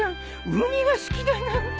ウニが好きだなんて。